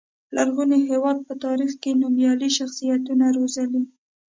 لرغوني هېواد په تاریخ کې نومیالي شخصیتونه روزلي.